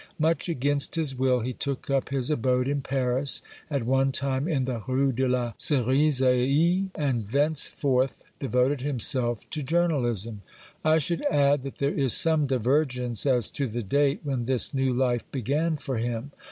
Much against his will, he took up his abode in Paris, at one time in the Rue de la Cerisaie, and thenceforth devoted himself to journalism. I should add that there is some divergence as to the date when this new life began for him.